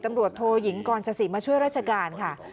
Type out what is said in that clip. ตำรวจโทยิงกรสสิมาช่วยราชการค่ะ